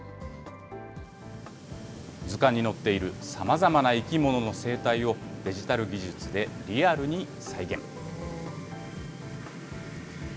図鑑に載っているさまざまな生き物の生態を、デジタル技術でリアルに再現。